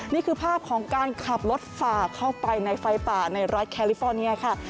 นี่คือภาพของการขับรถฝ่าเข้าไปในไฟป่าในรัฐแคลิฟอร์เนียค่ะ